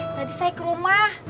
tadi saya ke rumah